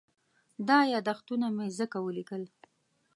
دا یادښتونه مې ځکه وليکل.